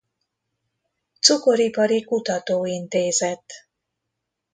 Cukoripari Kutató Intézet